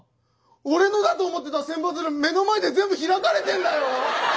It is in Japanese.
俺のだと思ってた千羽鶴目の前で全部開かれてんだよ！